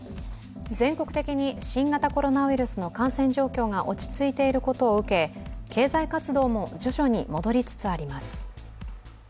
全国的に新型コロナウイルスの感染状況が落ち着いていることを受け、経済活動も徐々に戻りつつあります。